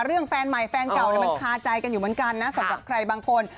แฟนใหม่แฟนเก่ามันคาใจกันอยู่เหมือนกันนะสำหรับใครบางคน